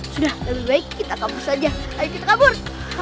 sudah lebih baik kita kabur saja ayo kita kabur